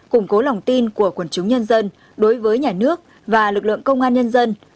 củng cố lòng tin của quần chúng nhân dân đối với nhà nước và lực lượng công an nhân dân